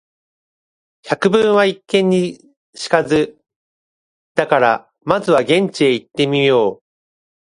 「百聞は一見に如かず」だから、まずは現地へ行ってみよう。